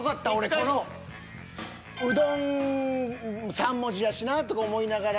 この「うどん」３文字やしなとか思いながら。